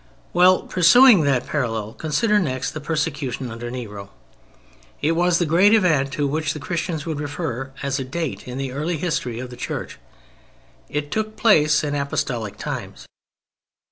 Well, pursuing that parallel, consider next the persecution under Nero. It was the great event to which the Christians would refer as a date in the early history of the Church. It took place in Apostolic times.